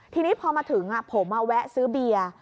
ทีนี้พอมาถึงผมแวะซื้อเบียร์